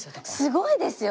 すごいですよ！